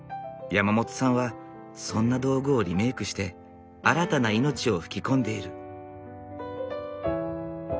山本さんはそんな道具をリメークして新たな命を吹き込んでいる。